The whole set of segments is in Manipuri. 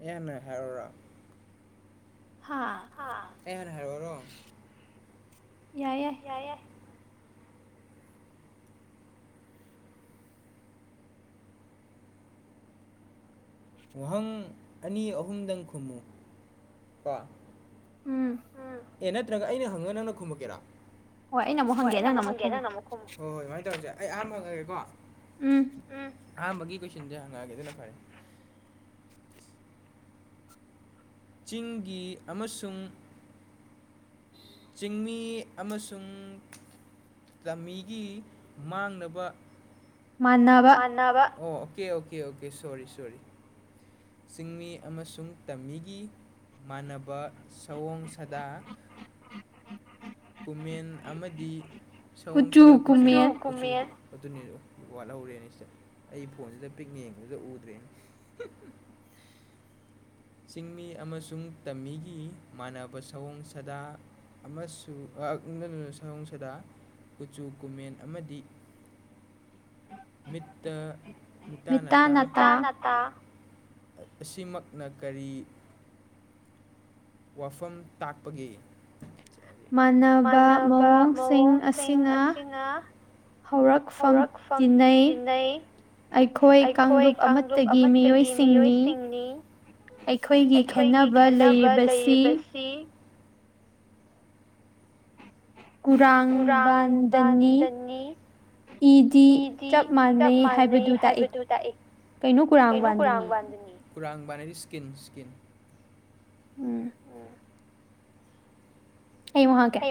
ꯑꯦ ꯍꯥꯟꯅ ꯍꯥꯏꯔꯦꯔꯥ ꯍꯥꯥ ꯍꯥ ꯑꯩ ꯍꯥꯟꯅ ꯍꯥꯏꯔꯣꯔꯣ ꯌꯥꯏ ꯌꯥꯏ ꯌꯥꯏ ꯌꯥꯏ ꯋꯥꯍꯪ ꯑꯅꯤ ꯑꯍꯨꯝꯗꯪ ꯈꯨꯝꯃꯨ ꯀꯣ ꯑꯦ ꯅꯠꯇ꯭ꯔꯒ ꯑꯩꯅ ꯍꯪꯉꯒ ꯅꯪꯅ ꯈꯨꯝꯃꯛꯀꯦꯔꯥ ꯍꯣꯏ ꯑꯩꯅꯃꯨꯛ ꯍꯪꯒꯦ ꯅꯪꯅꯃꯨꯛ ꯈꯨꯝꯃꯨ ꯍꯣꯏ ꯍꯣꯏ ꯑꯗꯨꯃꯥꯏ ꯇꯧꯔꯖꯦ ꯑꯩ ꯑꯍꯥꯟꯕ ꯍꯪꯉꯛꯑꯒꯦꯀꯣ ꯑꯍꯥꯟꯕꯒꯤ ꯀꯣꯏꯁꯟꯖꯦ ꯍꯪꯉꯛꯑꯒꯦ ꯑꯗꯨꯅ ꯐꯔꯦ ꯆꯤꯡꯒꯤ ꯑꯃꯁꯨꯡ ꯆꯤꯡꯃꯤ ꯑꯃꯁꯨꯡ ꯇꯝꯃꯤꯒꯤ ꯃꯥꯡꯅꯕ ꯃꯥꯟꯅꯕ ꯑꯣ okay okay okay sorry sorry ꯆꯤꯡꯃꯤ ꯑꯃꯁꯨꯡ ꯇꯝꯃꯤꯒꯤ ꯃꯥꯟꯅꯕ ꯁꯑꯣꯡ ꯁꯗꯥ ꯀꯨꯃꯦꯟ ꯑꯃꯗꯤ ꯁꯑꯣꯡ ꯁꯥꯗ ꯀꯨꯆꯨ ꯀꯨꯃꯦꯟ [unintelligible] ꯑꯗꯨꯅꯦ ꯋꯥꯠꯍꯧꯔꯦꯅꯦ ꯁꯤꯗ ꯑꯩ ꯐꯣꯟꯖꯤꯗ ꯄꯤꯛꯅ ꯌꯦꯡꯕꯖꯤꯗ ꯎꯗ꯭ꯔꯦꯅꯦ ꯆꯤꯡꯃꯤ ꯑꯃꯁꯨꯡ ꯇꯝꯃꯤꯒꯤ ꯃꯥꯅꯕ ꯁꯑꯣꯡ ꯁꯗꯥ ꯑꯃꯁꯨ ꯑꯛ ꯅꯣ ꯅꯣ ꯅꯣ ꯁꯑꯣꯡ ꯁꯗꯥ ꯀꯆꯨ ꯀꯨꯃꯦꯟ ꯑꯃꯗꯤ ꯃꯤꯠꯇ ꯃꯤꯇꯥ ꯅꯥꯇꯥ ꯑꯁꯤꯃꯛꯅ ꯀꯔꯤ ꯋꯥꯐꯝ ꯇꯥꯛꯄꯒꯦ ꯃꯥꯅꯕ ꯃꯑꯣꯡꯁꯤꯡ ꯑꯁꯤꯅ ꯍꯧꯔꯛꯐꯝ ꯇꯤꯟꯅꯩ ꯑꯩꯈꯣꯏ ꯀꯥꯡꯂꯨꯞ ꯑꯃꯠꯇꯒꯤ ꯃꯤꯑꯣꯏꯁꯤꯡꯅꯤ ꯑꯩꯈꯣꯏꯒꯤ ꯈꯦꯅꯕ ꯂꯩꯔꯤꯕꯁꯤ ꯀꯨꯔꯥꯡꯕꯥꯟꯗꯅꯤ ꯏꯗꯤ ꯆꯞ ꯃꯥꯟꯅꯩ ꯍꯥꯏꯕꯗꯨ ꯇꯥꯛꯏ ꯀꯩꯅꯣ ꯀꯨꯔꯥꯡꯕꯥꯗꯅꯤ ꯀꯨꯔꯥꯡꯕꯥꯟ ꯍꯥꯏꯗꯤ ꯏꯁꯀꯤꯟ ꯏꯁꯀꯤꯟ ꯎꯝ ꯑꯩ ꯑꯃꯨꯛ ꯍꯪꯉꯛꯀꯦ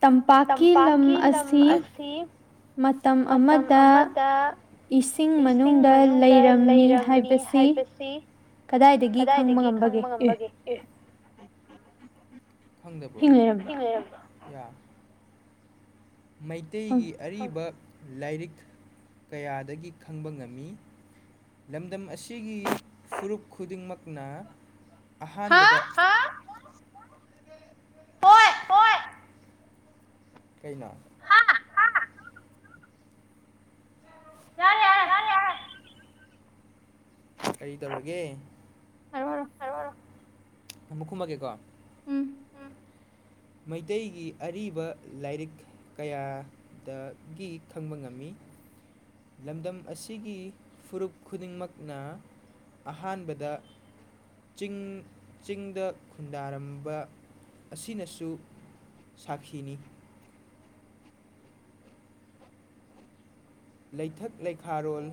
ꯇꯝꯄꯥꯛꯀꯤ ꯂꯝ ꯑꯁꯤ ꯁꯤ ꯃꯇꯝ ꯑꯃꯗ ꯏꯁꯤꯡ ꯃꯅꯨꯡꯗ ꯂꯩꯔꯝꯃꯤ ꯍꯥꯏꯕꯁꯤ ꯀꯗꯥꯏꯗꯒꯤ ꯈꯪꯕ ꯉꯝꯕꯒꯦ ꯑꯦ ꯈꯪꯗꯕꯔꯣ ꯍꯤꯡ ꯂꯩꯔꯝꯗꯔꯣ ꯍꯤꯌꯥ ꯃꯩꯇꯩꯒꯤ ꯑꯔꯤꯕ ꯂꯥꯏꯔꯤꯛ ꯀꯌꯥꯗꯒꯤ ꯈꯪꯕ ꯉꯝꯃꯤ ꯂꯝꯗꯝ ꯑꯁꯤꯒꯤ ꯐꯨꯔꯨꯞ ꯈꯨꯗꯤꯡꯃꯛꯅ ꯑꯍꯥꯟꯕꯗ ꯍꯥ ꯀꯥꯏ ꯂꯩꯒꯦ ꯍꯣꯏ ꯍꯣꯏ ꯀꯩꯅꯣ ꯌꯥꯏ ꯀꯔꯤ ꯗꯧꯔꯒꯦ ꯍꯥꯏꯔꯛꯑꯣ ꯍꯥꯏꯔꯛꯑꯣ ꯑꯃꯨꯛ ꯈꯨꯝꯃꯒꯦꯀꯣ ꯎꯝ ꯃꯩꯇꯩꯒꯤ ꯑꯔꯤꯕ ꯂꯥꯏꯔꯤꯛ ꯀꯌꯥꯗꯒꯤ ꯈꯪꯕ ꯉꯝꯃꯤ ꯂꯝꯗꯝ ꯑꯁꯤꯒꯤ ꯐꯨꯔꯨꯞ ꯈꯨꯗꯤꯡꯃꯛꯅ ꯑꯍꯥꯟꯕꯗ ꯆꯤꯡ ꯆꯤꯡꯗ ꯈꯨꯟꯗꯥꯔꯝꯕ ꯑꯁꯤꯅꯁꯨ ꯁꯥꯈꯤꯅꯤ ꯂꯩꯊꯛ ꯂꯩꯈꯥꯔꯣꯜ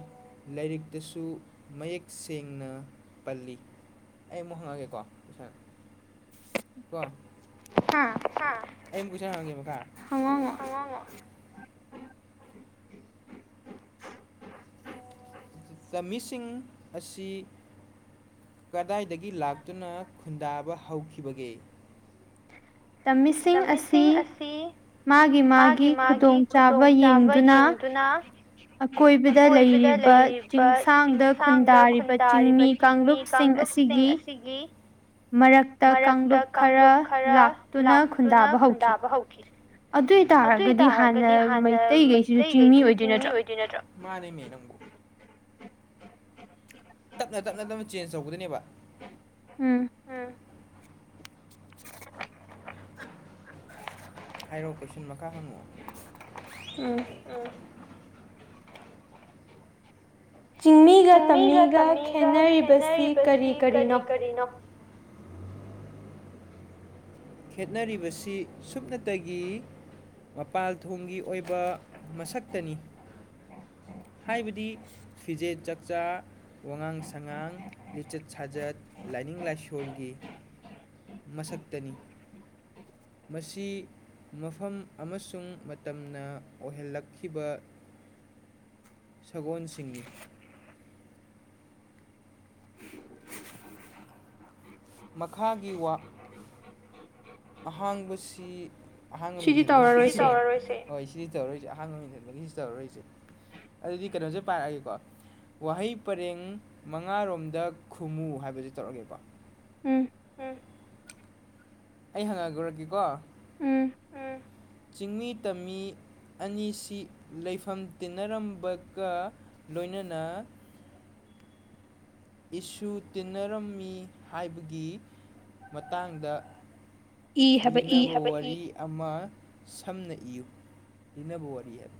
ꯂꯥꯏꯔꯤꯛꯇꯁꯨ ꯃꯌꯦꯛ ꯁꯦꯡꯅ ꯄꯜꯂꯤ ꯑꯩ ꯑꯃꯨꯛ ꯍꯪꯉꯛꯑꯒꯦꯀꯣ ꯀꯣꯏꯁꯟ ꯀꯣ ꯍꯥꯥ ꯍꯥ ꯑꯩꯑꯃꯨꯛ ꯀꯣꯏꯁꯥꯟ ꯍꯥꯡꯉꯒꯦ ꯃꯈꯥ ꯍꯪꯉꯣ ꯍꯪꯉꯣ ꯆꯃꯤꯁꯤꯡ ꯑꯁꯤ ꯀꯗꯥꯏꯗꯒꯤ ꯂꯥꯛꯇꯨꯅ ꯈꯨꯟꯗꯥꯕ ꯍꯧꯈꯤꯕꯒꯦ ꯇꯝꯃꯤꯁꯤꯡ ꯑꯁꯤ ꯃꯥꯒꯤ ꯃꯥꯒꯤ ꯈꯨꯗꯣꯡꯆꯥꯥꯕ ꯌꯦꯡꯗꯨꯅ ꯑꯀꯣꯏꯕꯗ ꯂꯩꯔꯤꯕ ꯆꯤꯡꯁꯥꯡꯗ ꯈꯨꯟꯗꯥꯔꯤꯕ ꯆꯤꯡꯃꯤ ꯀꯥꯡꯂꯨꯞꯁꯤꯡ ꯑꯁꯤꯒꯤ ꯃꯔꯛꯇ ꯀꯥꯡꯂꯨꯞ ꯈꯔ ꯂꯥꯛ ꯇꯨꯅ ꯇꯨꯅ ꯈꯨꯟꯗꯥꯕ ꯍꯧꯈꯤ ꯑꯗꯨ ꯑꯣꯏꯇꯥꯔꯒꯗꯤ ꯍꯥꯟꯅ ꯃꯩꯇꯩꯈꯩꯁꯤꯁꯨ ꯆꯤꯡꯃꯤ ꯑꯣꯏꯗꯣꯏ ꯅꯠꯇ꯭ꯔꯣ ꯃꯥꯅꯦꯃꯤ ꯅꯪꯕꯨ ꯇꯞꯅ ꯇꯞꯅ ꯑꯗꯨꯝ ꯆꯦꯟꯖ ꯇꯧꯒꯗꯣꯏꯅꯦꯕ ꯎꯝ ꯍꯥꯏꯔꯣ ꯀꯣꯏꯁꯟ ꯃꯈꯥ ꯍꯪꯉꯛꯑꯣ ꯆꯤꯡꯃꯤꯒ ꯇꯝꯃꯤꯒ ꯈꯦꯠꯅꯔꯤꯕꯁꯤ ꯀꯔꯤ ꯀꯔꯤꯅꯣ ꯀꯔꯤꯅꯣ ꯈꯦꯠꯅꯔꯤꯕꯁꯤ ꯁꯨꯞꯅꯇꯒꯤ ꯃꯄꯥꯜ ꯊꯣꯡꯒꯤ ꯑꯣꯏꯕ ꯃꯁꯛꯇꯅꯤ ꯍꯥꯏꯕꯗꯤ ꯐꯤꯖꯦꯠ ꯆꯥꯛꯆꯥ ꯋꯥꯉꯥꯡ ꯁꯉꯥꯡ ꯂꯤꯆꯠ ꯁꯥꯖꯠ ꯂꯥꯏꯅꯤꯡ ꯂꯥꯏꯁꯣꯜꯒꯤ ꯃꯁꯛꯇꯅꯤ ꯃꯁꯤ ꯃꯐꯝ ꯑꯃꯁꯨꯡ ꯃꯇꯝꯅ ꯑꯣꯏꯍꯜꯂꯛꯈꯤꯕ ꯁꯒꯣꯜꯁꯤꯡꯅꯤ ꯃꯈꯥꯒꯤ ꯋꯥ ꯑꯍꯥꯡꯕꯁꯤ ꯑꯍꯥꯡꯕ ꯃꯦꯟꯁꯟꯕꯒꯤ ꯍꯣꯏ ꯁꯤꯗꯤ ꯇꯧꯔ ꯔꯣꯏꯁꯦ ꯑꯍꯥꯡꯕ ꯃꯦꯟꯁꯟꯕꯒꯤ ꯁꯤ ꯇꯧꯔ ꯔꯣꯏꯁꯦ ꯑꯗꯨꯗꯤ ꯀꯩꯅꯣꯁꯦ ꯄꯥꯔꯛꯑꯒꯦꯀꯣ ꯋꯥꯍꯩ ꯄꯔꯦꯡ ꯃꯉꯥꯔꯣꯝꯗ ꯈꯨꯝꯃꯨ ꯍꯥꯏꯕꯁꯤ ꯇꯧꯔꯛꯒꯦꯀꯣ ꯎꯝ ꯑꯩ ꯍꯪꯡꯉꯛꯒꯦꯀꯣ ꯎꯝ ꯆꯤꯡꯃꯤ ꯇꯝꯃꯤ ꯑꯅꯤꯁꯤ ꯂꯩꯐꯝ ꯇꯤꯟꯅꯔꯝꯕꯒ ꯂꯣꯏꯅꯅ ꯏꯁꯨ ꯇꯤꯟꯅꯔꯝꯃꯤ ꯍꯥꯏꯕꯒꯤ ꯃꯇꯥꯡꯗ ꯂꯤꯅꯕ ꯋꯥꯔꯤ ꯑꯃ ꯁꯝꯅ ꯏꯌꯨ ꯂꯤꯅꯕ ꯋꯥꯔꯤ ꯑꯗꯨ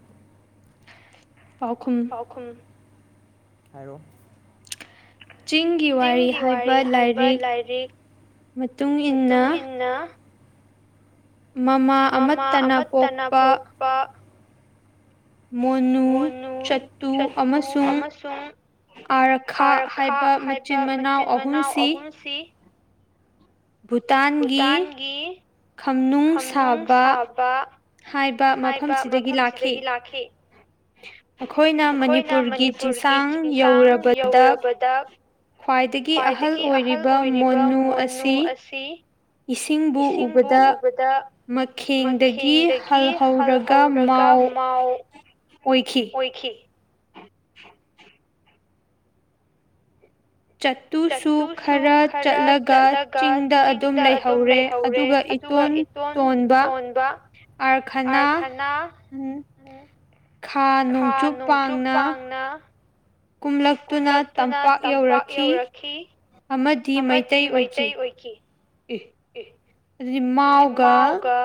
ꯄꯥꯎꯈꯨꯝ ꯄꯥꯎꯈꯨꯝ ꯍꯥꯏꯔꯛꯑꯣ ꯆꯤꯡꯒꯤ ꯋꯥꯔꯤ ꯍꯥꯏꯕ ꯂꯥꯏꯔꯤꯛ ꯃꯇꯨꯡ ꯏꯟꯅ ꯃꯃꯥ ꯑꯃꯠꯇꯅ ꯄꯣꯛꯄ ꯃꯣꯅꯨ ꯆꯠꯇꯨ ꯑꯃꯁꯨꯡ ꯑꯥꯔꯈꯥ ꯍꯥꯏꯕ ꯃꯆꯤꯟ ꯃꯅꯥꯎ ꯑꯍꯨꯝꯁꯤ ꯚꯨꯇꯥꯟꯒꯤ ꯈꯝꯅꯨꯡ ꯁꯥꯕ ꯍꯥꯏꯕ ꯃꯐꯝꯁꯤꯗꯒꯤ ꯂꯥꯛꯈꯤ ꯑꯩꯈꯣꯏꯅ ꯃꯅꯤꯄꯨꯔꯒꯤ ꯆꯤꯡꯁꯥꯡ ꯌꯧꯔꯕꯗ ꯕꯥꯗ ꯈ꯭ꯋꯥꯏꯗꯒꯤ ꯑꯍꯜ ꯑꯣꯏꯔꯤꯕ ꯃꯣꯅꯨ ꯑꯁꯤ ꯁꯤ ꯏꯁꯤꯡꯕꯨ ꯎꯕꯗ ꯃꯈꯦꯡꯗꯒꯤ ꯍꯜꯍꯧꯔꯒ ꯃꯥꯎ ꯑꯣꯏꯈꯤ ꯑꯣꯏꯈꯤ ꯆꯠꯇꯨꯁꯨ ꯈꯔ ꯆꯠꯂꯒ ꯆꯤꯡꯗ ꯑꯗꯨꯝ ꯂꯩꯍꯧꯔꯦ ꯑꯗꯨꯒ ꯏꯇꯣꯟ ꯇꯣꯟꯕ ꯑꯥꯔꯈꯅꯥ ꯈꯥ ꯅꯣꯡꯆꯨꯞ ꯄꯥꯡꯅ ꯀꯨꯝꯂꯛꯇꯨꯅ ꯇꯝꯄꯥꯛ ꯌꯧꯔꯛꯈꯤ ꯑꯃꯗꯤ ꯃꯩꯇꯩ ꯑꯣꯏꯈꯤ ꯑꯦ ꯑꯗꯨꯗꯤ ꯃꯥꯎꯒ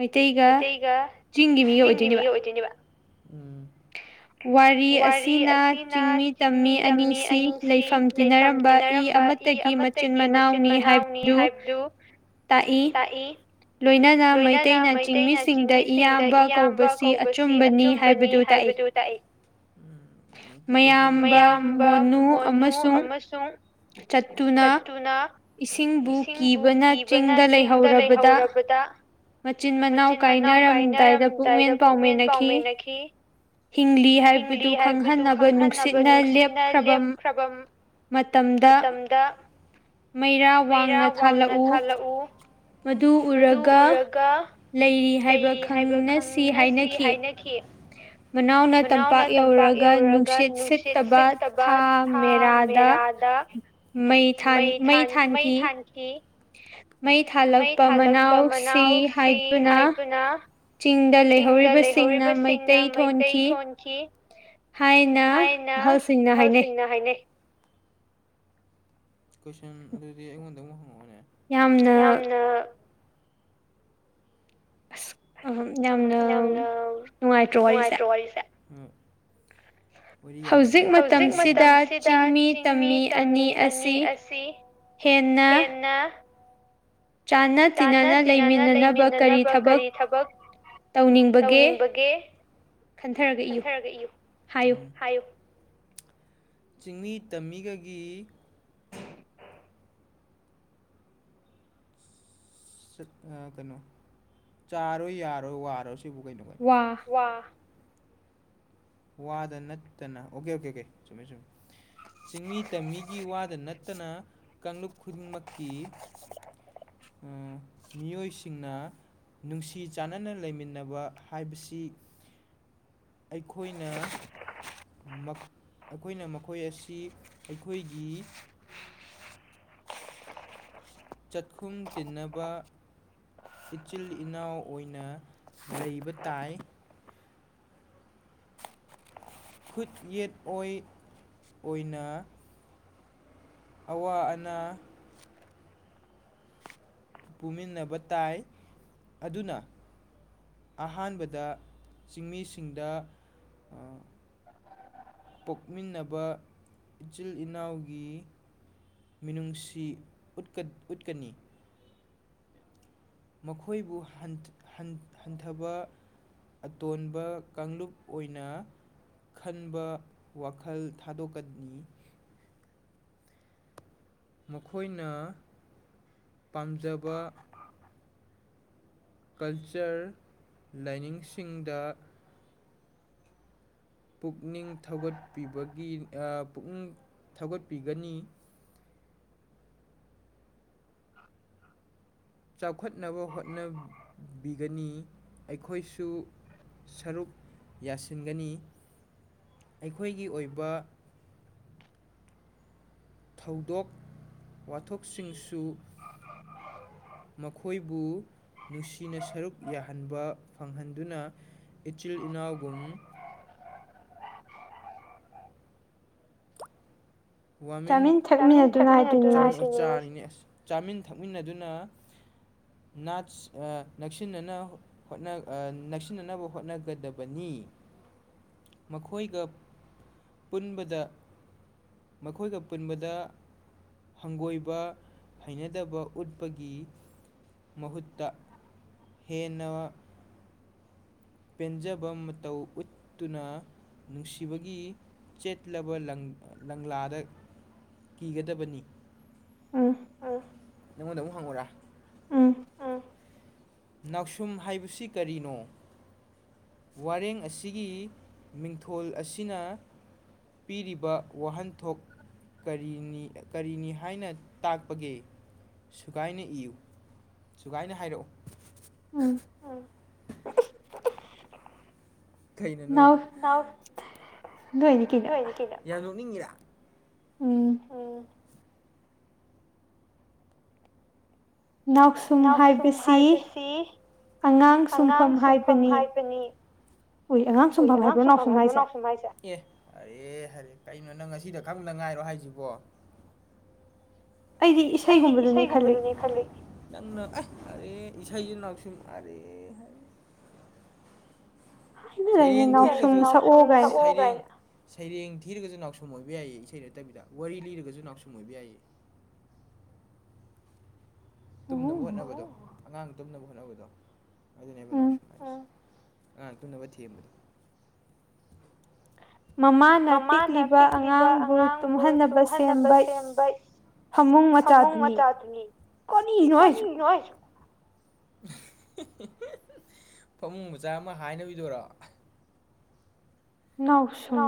ꯃꯩꯇꯩꯒ ꯆꯤꯡꯒꯤ ꯃꯤꯒ ꯑꯣꯏꯗꯣꯏꯅꯦꯕ ꯑꯣꯏꯗꯣꯏ ꯅꯦꯕ ꯎꯝ ꯋꯥꯔꯤ ꯑꯁꯤꯅ ꯆꯤꯡꯃꯤ ꯇꯝꯃꯤ ꯑꯅꯤꯁꯤ ꯂꯩꯐꯝ ꯇꯤꯟꯅꯔꯝꯕ ꯏ ꯑꯃꯇ ꯇꯒꯤ ꯃꯆꯤꯟ ꯃꯅꯥꯎꯅꯤ ꯍꯥꯏꯕꯗꯨ ꯇꯥꯛꯏ ꯂꯣꯏꯅꯅ ꯃꯩꯇꯩꯅ ꯆꯤꯡꯃꯤꯁꯤꯡꯗ ꯏꯌꯥꯝꯕ ꯀꯧꯕꯁꯤ ꯑꯆꯨꯝꯕꯅꯤ ꯍꯥꯏꯕꯗꯨ ꯇꯥꯛꯏ꯫ ꯀꫭꯏꯁꯟ ꯃꯌꯥꯝꯕ ꯃꯣꯅꯨ ꯑꯃꯁꯨꯡ ꯀꯠꯇꯨꯅ ꯏꯁꯤꯡꯕꯨ ꯀꯤꯕꯅ ꯆꯤꯡꯗ ꯂꯩꯍꯧꯔꯕꯗ ꯃꯆꯤꯟ ꯃꯅꯥꯎ ꯀꯥꯏꯅꯔꯝꯗꯥꯏꯗ ꯄꯨꯛꯃꯦꯟ ꯄꯥꯎ ꯃ‌ꯦꯟꯅꯈꯤ꯫ ꯍꯤꯡꯂꯤ ꯍꯥꯏꯕꯗꯨ ꯈꯪꯍꯟꯅꯕ ꯅꯨꯡꯁꯤꯠꯅ ꯂꯦꯞꯈ꯭ꯔꯕ ꯝ ꯃꯇꯝꯗ꯫ ꯃꯩꯔꯥ ꯋꯥꯡꯅ ꯊꯥꯜꯂꯛꯎ ꯃꯗꯨ ꯎꯔꯒ ꯂꯩꯔꯤ ꯍꯥꯏꯕ ꯈꯪꯅꯁꯤ ꯍꯥꯏꯅꯈꯤ꯫ ꯃꯅꯥꯎꯅ ꯇꯝꯄꯥꯛ ꯌꯧꯔꯒ ꯅꯨꯡꯁꯤꯠ ꯁꯤꯠꯇꯕ ꯊꯥ ꯃꯦꯔꯥ ꯗ ꯃꯩ ꯊꯥꯟ ꯃꯩ ꯊꯥꯟꯈꯤ꯫ ꯃꯩ ꯊꯥꯜ ꯃꯩ ꯊꯥꯜꯂꯛꯄ ꯃꯅꯥꯎꯁꯤ ꯍꯥꯏꯗꯨꯅ ꯆꯤꯡꯗ ꯂꯩꯍꯧꯔꯤꯕꯁꯤꯡꯅ ꯃꯩꯇꯩ ꯊꯣꯟꯈꯤ꯫ ꯍꯥꯏꯅ ꯑꯍꯜꯁꯤꯡꯅ ꯍꯥꯏꯅꯩ꯫ ꯅ ꯍꯥꯏꯅꯩ꯫ ꯀꯣꯏꯁꯟ ꯑꯗꯨꯗꯤ ꯑꯩꯉꯣꯟꯗ ꯑꯃꯨꯛ ꯍꯪꯉꯛꯑꯣꯅꯦ ꯌꯥꯝꯅ ꯑ ꯌꯥꯝꯅ ꯅꯨꯡꯉꯥꯏꯇ꯭ꯔꯣ ꯋꯥꯔꯤꯁꯦ ꯝ꯫ ꯋꯔꯤ ꯌꯥꯝ ꯅꯨꯡꯉꯥꯏ ꯍꯧꯖꯤꯛ ꯃꯇꯝꯁꯤꯗ ꯆꯤꯡꯃꯤ ꯇꯝꯃꯤ ꯑꯅꯤ ꯑꯁꯤ ꯍꯦꯟꯅ ꯆꯥꯟꯅ ꯇꯤꯅꯅ ꯂꯩꯃꯤꯟꯅꯅꯕ ꯀꯔꯤ ꯊꯕꯛ ꯇꯧꯅꯤꯡꯕꯒꯦ ꯈꯟꯊꯔꯒ ꯏꯌꯨ ꯍꯥꯏꯌꯨ꯫ ꯆꯤꯡꯃꯤ ꯇꯝꯃꯤꯒꯒꯤ ꯑ ꯀꯩꯅꯣ ꯆꯥꯔꯣ ꯌꯥꯔꯣ ꯋꯥꯔꯣ ꯁꯤꯕꯨ ꯀꯩꯅꯣ꯫ ꯋꯥ꯫ ꯋꯥ꯫ ꯋꯥꯗꯅ ꯅꯠꯇꯅ ꯑꯣꯀꯦ ꯑꯣꯀꯦ ꯑꯣꯀꯦ ꯆꯨꯝꯃꯦ-ꯆꯨꯝꯃꯦ꯫ ꯆꯤꯡꯃꯤ ꯇꯝꯃꯤꯒꯤ ꯋꯥꯗ ꯅꯠꯇꯅ ꯀꯥꯡꯂꯨꯞ ꯈꯨꯗꯤꯡꯃꯛꯀꯤ ꯑ ꯃꯤꯑꯣꯏꯁꯤꯡꯅ ꯅꯨꯡꯁꯤ ꯆꯥꯟꯅꯅ ꯂꯩꯃꯤꯟꯅꯕ ꯍꯥꯏꯕꯁꯤ ꯑꯈꯣꯏꯅ ꯃꯛ ꯑꯩꯈꯣꯏꯅ ꯃꯈꯣꯏ ꯑꯁꯤ ꯑꯩꯈꯣꯏꯒꯤ [unintelligible] ꯆꯠꯈꯨꯝ ꯇꯤꯟꯅꯕ ꯏꯆꯤꯜ ꯏꯅꯥꯎ ꯑꯣꯏꯅ ꯂꯩꯕ ꯇꯥꯏ꯫ ꯈꯨꯠ ꯌꯦꯠ ꯑꯣꯏ ꯑꯣꯏꯅ ꯑꯋꯥ ꯑꯅꯥ ꯄꯨꯃꯤꯟꯅꯕ ꯇꯥꯏ ꯑꯗꯨꯅ ꯑꯍꯥꯟꯕꯗ ꯆꯤꯡꯃꯤꯁꯤꯡꯗꯥ ꯑ ꯄꯣꯛꯃꯤꯟꯅꯕ ꯏꯆꯤꯜ ꯏꯅꯥꯎꯒꯤ ꯃꯤꯅꯨꯡꯁꯤ ꯎꯠꯀ ꯎꯇꯀꯅꯤ꯫ ꯃꯈꯣꯏꯕꯨ ꯍꯟꯊ ꯍꯟꯊꯕ ꯑꯇꯣꯟꯕ ꯀꯥꯡꯂꯨꯞ ꯑꯣꯏꯅ ꯈꯟꯕ ꯋꯥꯈꯜ ꯊꯥꯗꯣꯛꯀꯅꯤ꯫ ꯃꯈꯣꯏꯅ ꯄꯥꯝꯖꯕ ꯀꯜꯆꯔ ꯂꯥꯏꯅꯤꯡꯁꯤꯡꯗ ꯄꯨꯛꯅꯤꯡ ꯊꯧꯒꯠꯄꯤꯕꯒꯤ ꯄꯨꯛꯅꯤꯡ ꯊꯧꯒꯠꯄꯤꯒꯅꯤ ꯆꯥꯎꯈꯠꯅꯕ ꯍꯣꯠꯅꯕꯤꯒꯅꯤ ꯑꯩꯈꯣꯏꯁꯨ ꯁꯔꯨꯛ ꯌꯥꯁꯤꯟꯒꯅꯤ ꯑꯩꯈꯣꯏꯒꯤ ꯑꯣꯏꯕ ꯊꯧꯗꯣꯛ ꯋꯥꯊꯣꯛꯁꯤꯡꯁꯨ ꯃꯈꯣꯏꯕꯨ ꯅꯨꯡꯁꯤꯅ ꯁꯔꯨꯛ ꯌꯥꯍꯟꯕ ꯐꯪꯍꯟꯗꯨꯅ ꯏꯆꯤꯜ ꯏꯅꯥꯎꯒꯨꯝ ꯋꯥꯃꯤꯟ ꯆꯥꯃꯤꯟ ꯊꯛꯃꯤꯅꯗꯨꯅ ꯍꯥꯏꯗꯨꯏꯅꯦ ꯆꯥ ꯅꯤꯅꯦ ꯆꯥꯃꯤꯟ ꯊꯛꯃꯤꯟꯅꯗꯨꯅ ꯅꯥꯠꯁ ꯅꯛꯁꯤꯟꯅꯅ ꯍꯣꯠꯅꯥ ꯅꯛꯁꯤꯟꯅꯅꯕ ꯍꯣꯠꯅꯒꯗꯕꯅꯤ ꯃꯈꯣꯏꯒ ꯄꯨꯟꯕꯗ ꯃꯈꯣꯏꯒ ꯄꯨꯟꯕꯗ ꯍꯪꯒꯣꯏꯕ ꯍꯩꯅꯗꯕ ꯎꯠꯄꯒꯤ ꯃꯍꯨꯠꯇ ꯍꯦꯟꯅ ꯋꯥ ꯄꯦꯟꯖꯕ ꯃꯇꯧ ꯎꯠꯇꯨꯅ ꯅꯨꯡꯁꯤꯕꯒꯤ ꯆꯦꯠꯂꯕ ꯂꯪ ꯂꯪꯂꯥꯗ ꯀꯤꯒꯗꯕꯅꯤ ꯅꯪꯉꯣꯟꯗ ꯑꯃꯨꯛ ꯍꯪꯉꯨꯔꯥ ꯅꯥꯎꯁꯨꯝ ꯍꯥꯏꯕꯁꯤ ꯀꯔꯤꯅꯣ ꯋꯥꯔꯦꯡ ꯑꯁꯤꯒꯤ ꯃꯤꯡꯊꯣꯜ ꯑꯁꯤꯅ ꯄꯤꯔꯤꯕ ꯋꯥꯍꯟꯊꯣꯛ ꯀꯔꯤꯅꯤ ꯀꯔꯤꯅꯤ ꯍꯥꯏꯅ ꯇꯥꯛꯄꯒꯦ ꯁꯨꯒꯥꯏꯅ ꯏꯌꯨ ꯁꯨꯒꯥꯏꯅ ꯍꯥꯏꯔꯛꯑꯣ ꯎꯝ ꯀꯩꯅꯣ ꯅꯣꯛꯏꯗꯤ ꯅꯣꯛꯏꯅꯤ ꯀꯩꯅꯣ ꯌꯥꯝ ꯅꯣꯛꯅꯤꯡꯉꯤꯔꯥ ꯎꯝ ꯅꯥꯎꯁꯨꯝ ꯍꯥꯏꯕꯁꯤ ꯑꯉꯥꯡ ꯁꯨꯝꯐꯝ ꯍꯥꯏꯕꯅꯤ ꯍꯣꯏ ꯑꯉꯥꯡ ꯁꯨꯝꯐꯝ ꯍꯥꯏꯕ꯭ꯔꯣ ꯅꯥꯎꯁꯨꯝ ꯍꯥꯏꯁꯦ ꯍꯥꯔꯦ ꯍꯥꯔꯦ ꯀꯩꯅꯣ ꯅꯪ ꯉꯁꯤꯗ ꯈꯪꯗ ꯉꯥꯏꯔꯣ ꯍꯥꯏꯁꯤꯕꯣ ꯑꯩꯗꯤ ꯏꯁꯩꯒꯨꯝꯕꯗꯨꯅꯦ ꯈꯜꯂꯤ ꯅꯪꯅ ꯑ ꯍꯥꯔꯦ ꯏꯁꯩꯁꯨ ꯅꯥꯎꯁꯨꯝ ꯑꯔꯦ ꯁꯩꯔꯦꯡ ꯊꯤꯔꯒꯥꯁꯨ ꯁꯩꯔꯦꯡ ꯅꯥꯎꯁꯨꯝ ꯁꯛꯑꯣ ꯒꯥꯏꯅꯥ ꯁꯩꯔꯦꯡ ꯊꯤꯔꯒꯁꯨ ꯅꯥꯎꯁꯨꯝ ꯑꯣꯏꯕ ꯌꯥꯏꯌꯦ ꯏꯁꯩ ꯅꯠꯇꯕꯤꯗ ꯋꯥꯔꯤ ꯂꯤꯔꯒꯁꯨ ꯅꯥꯎꯁꯨꯝ ꯑꯣꯏꯕ ꯌꯥꯏꯌꯦ ꯇꯨꯝꯅꯕꯨ ꯍꯣꯠꯅꯕꯗꯨ ꯑꯉꯥꯡ ꯇꯨꯝꯅꯕ ꯍꯣꯠꯅꯕꯗꯣ ꯑꯗꯨꯅꯦꯕ ꯅꯥꯎꯁꯨꯝ ꯍꯥꯏꯁꯦ ꯑꯉꯥꯡ ꯇꯨꯝꯅꯕ ꯊꯦꯝꯕꯗꯨ ꯃꯃꯥꯅ ꯄꯤꯛꯂꯤꯕ ꯑꯉꯥꯡꯕꯨ ꯇꯨꯝꯍꯟꯅꯕ ꯁꯦꯝꯕ ꯐꯥꯃꯨꯡ ꯃꯆꯥꯥꯗꯨꯅꯤ ꯀꯔꯤꯅꯣꯍꯩ ꯐꯃꯨꯡ ꯃꯆꯥ ꯑꯃ ꯍꯥꯏꯅꯕꯤꯗꯣꯔꯣ ꯅꯥꯎꯁꯨꯝ